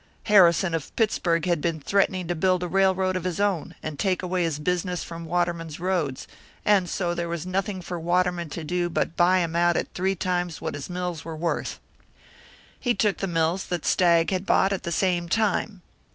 Harrison of Pittsburg had been threatening to build a railroad of his own, and take away his business from Waterman's roads, and so there was nothing for Waterman to do but buy him out at three times what his mills were worth. He took the mills that Stagg had bought at the same time.